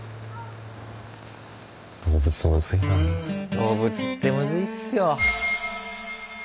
動物ってムズいっすよ。